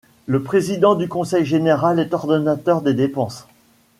Le président du conseil général est ordonnateur des dépenses.